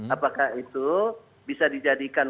apakah itu bisa dijadikan